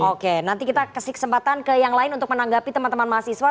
oke nanti kita kasih kesempatan ke yang lain untuk menanggapi teman teman mahasiswa